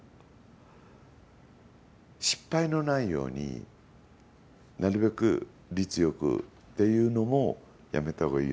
失敗のないようになるべく率よくっていうのもやめた方がいいよね。